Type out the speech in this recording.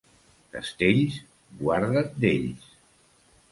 Castells, guarda't d'ells.